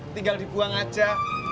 tinggal dibuang aja